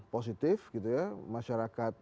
positif gitu ya masyarakat